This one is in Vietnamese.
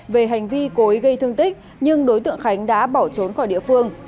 về hành vi cố ý gây thương tích nhưng đối tượng khánh đã bỏ trốn khỏi địa phương